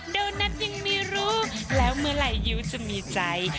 โดนัทยังไม่รู้แล้วเมื่อไหร่ยิ้วจะมีใจ